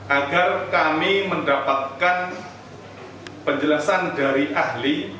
agar kami mendapatkan penjelasan dari ahli